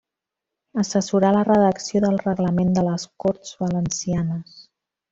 Assessorà la redacció del reglament de les Corts Valencianes.